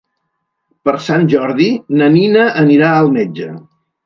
Per Sant Jordi na Nina anirà al metge.